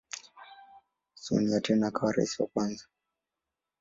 Sun Yat-sen akawa rais wa kwanza.